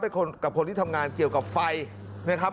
กับคนที่ทำงานเกี่ยวกับไฟนะครับ